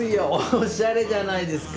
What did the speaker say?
おしゃれじゃないですか。